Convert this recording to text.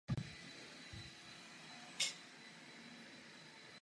Toho roku se podařilo získat první pár do pavilonu velkých savců.